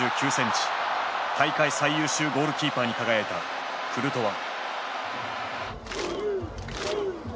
大会最優秀ゴールキーパーに輝いたクルトワ。